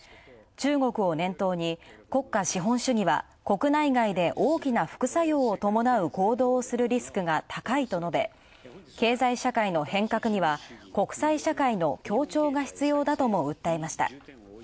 中国を念頭に国家資本主義は国内外で大きな副作用を伴う行動をするリスクが高いと述べ、経済社会の変革には、国際社会の協調が必要だと訴えました。